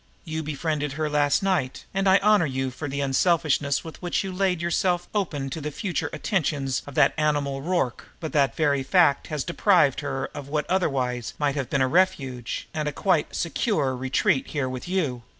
You befriended her last night, and I honor you for the unselfishness with which you laid yourself open to the future attentions of that animal Rorke, but that very fact has deprived her of what might otherwise have been a refuge and a quite secure retreat here with you.